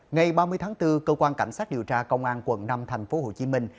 ngày ba mươi tháng bốn cơ quan cảnh sát điều tra công an quận năm thành phố hồ chí minh